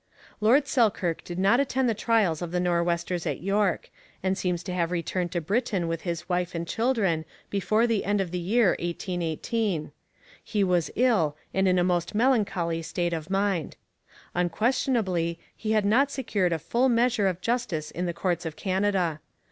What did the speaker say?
Lord Selkirk did not attend the trials of the Nor'westers at York, and seems to have returned to Britain with his wife and children before the end of the year 1818. He was ill and in a most melancholy state of mind. Unquestionably, he had not secured a full measure of justice in the courts of Canada.